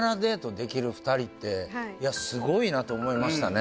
できる２人ってすごいなと思いましたね